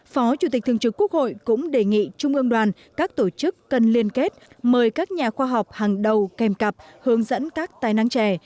phó chủ tịch thường trực quốc hội cũng đề nghị trung ương đoàn các tổ chức cần liên kết mời các nhà khoa học hàng đầu kèm cặp hướng dẫn các tài năng trẻ